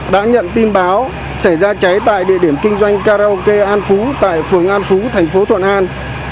đã nhận tin báo xảy ra cháy tại địa điểm kinh doanh karaoke an phú tại phường an phú thành phố thuận an